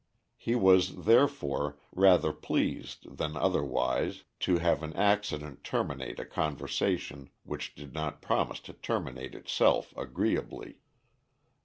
He was, therefore, rather pleased than otherwise to have an accident terminate a conversation which did not promise to terminate itself agreeably.